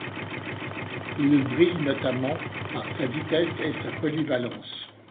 Il brille notamment par sa vitesse et sa polyvalence.